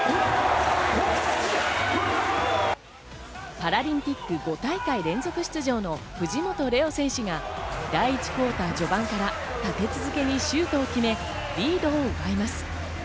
パラリンピック５大会連続出場の藤本怜央選手が第１クオーター序盤から立て続けにシュートを決め、リードを奪います。